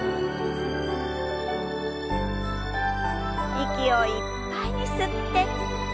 息をいっぱいに吸って。